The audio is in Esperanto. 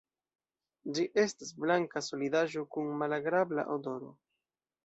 Ĝi estas blanka solidaĵo kun malagrabla odoro.